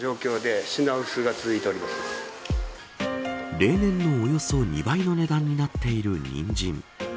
例年のおよそ２倍の値段になっているニンジン。